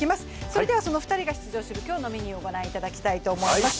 それではその２人が出場する今日のメニューを御覧いただきたいと思います。